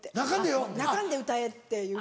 「泣かんで歌え」っていうことを。